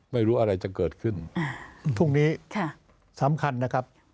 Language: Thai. ไม่รู้อะไรจะเกิดขึ้นพรุ่งนี้สำคัญนะครับ